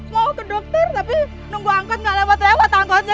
mau ke dokter tapi nunggu angkot nggak lewat lewat angkotnya